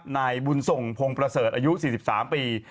นายบุญส่งพงศ์ประเสริฐอายุ๔๓ปี